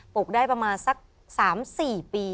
ลูกได้ประมาณสัก๓๔ปี